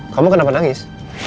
kamu kenapa nangis